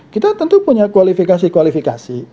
kita tentu punya kualifikasi kualifikasi